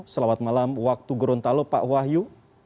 selamat malam waktu gorontalo pak wahyu